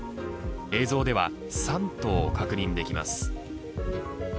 映像では３頭確認できます。